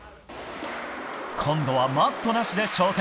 今度はマットなしで挑戦。